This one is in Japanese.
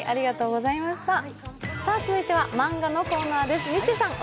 続いては漫画のコーナーです。